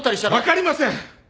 分かりません！